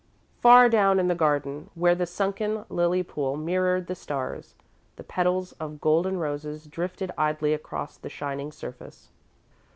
Far down in the garden, where the sunken lily pool mirrored the stars, the petals of golden roses drifted idly across the shining surface.